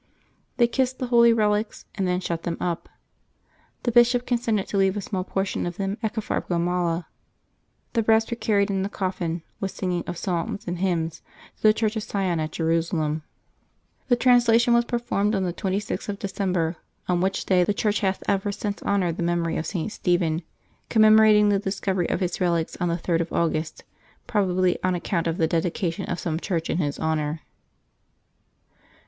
They kissed the holy relics, and then shut them up. The Bishop con sented to leave a small portion of them at Caphargamala ; the rest were carried in the coffin, with singing of psalms and h}Tnns, to the Church of Sion at Jerusalem. The August 4] LIVES OF THE SAINTS 271 translation was performed on the 26th of December, on which day the Church hath ever since honored the memory of St. Stephen, commemorating the discovery of his relics on the 3d of August probably on account of the dedication of some church in his honor.